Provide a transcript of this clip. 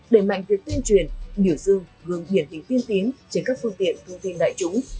đề mạnh việc tuyên truyền biểu dương gương hiển hình tiên tín trên các phương tiện thông tin đại chúng